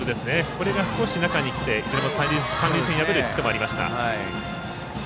これが少し中にきて三塁線、破るヒットもありました。